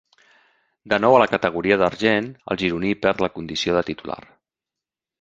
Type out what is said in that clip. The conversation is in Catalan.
De nou a la categoria d'argent, el gironí perd la condició de titular.